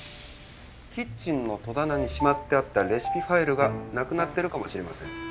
キッチンの戸棚にしまってあったレシピファイルがなくなってるかもしれません。